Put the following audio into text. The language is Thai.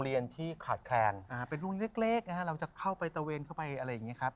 แจ๊คจิลวันนี้เขาสองคนไม่ได้มามูเรื่องกุมาทองอย่างเดียวแต่ว่าจะมาเล่าเรื่องประสบการณ์นะครับ